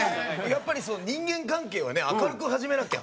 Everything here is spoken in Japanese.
やっぱりその人間関係はね明るく始めなきゃ。